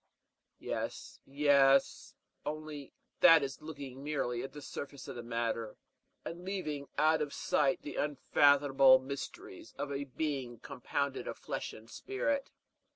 "Yes, yes; only that is looking merely at the surface of the matter, and leaving out of sight the unfathomable mysteries of a being compounded of flesh and spirit.